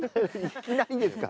いきなりですか？